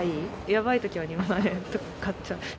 やばいときあります、買っちゃう。